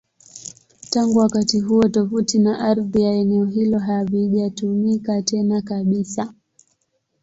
Tangu wakati huo, tovuti na ardhi ya eneo hilo havijatumika tena kabisa.